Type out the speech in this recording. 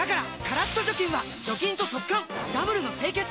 カラッと除菌は除菌と速乾ダブルの清潔！